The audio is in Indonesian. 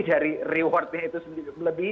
dari rewardnya itu sendiri lebih